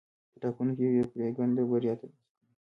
په ټاکنو کې یې پرېکنده بریا ترلاسه کړې وه.